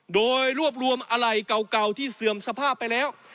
โดยรวบรวมอะไรเก่าที่เสื่อมสภาพไปแล้ว